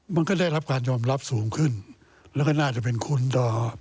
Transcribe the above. มันก็ได้รับการยอมรับสูงขึ้นแล้วก็น่าจะเป็นคุณต่อ